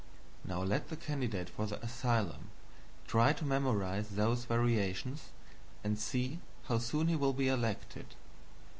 Now let the candidate for the asylum try to memorize those variations, and see how soon he will be elected.